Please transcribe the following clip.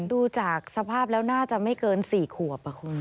ดูจากสภาพแล้วน่าจะไม่เกิน๔ขวบคุณ